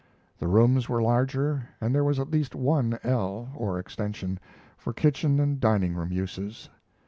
The rooms were larger, and there was at least one ell, or extension, for kitchen and dining room uses.